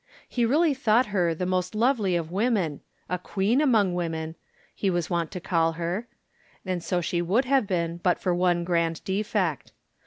He really thought her the most lovely of women —"• a queen among women "— ^he was wont to call her; and so she would have been but for one grand defect.